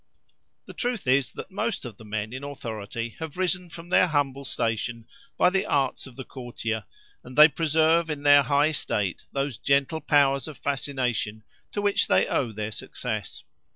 The truth is, that most of the men in authority have risen from their humble station by the arts of the courtier, and they preserve in their high estate those gentle powers of fascination to which they owe their success.